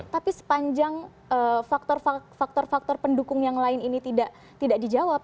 tapi sepanjang faktor faktor pendukung yang lain ini tidak dijawab